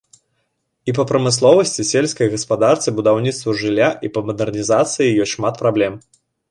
І па прамысловасці, сельскай гаспадарцы, будаўніцтву жылля, і па мадэрнізацыі ёсць шмат праблем.